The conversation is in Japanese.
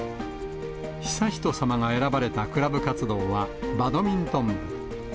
悠仁さまが選ばれたクラブ活動はバドミントン部。